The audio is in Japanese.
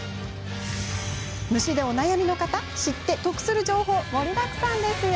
虫でお悩みの方、知って得する情報、盛りだくさんですよ。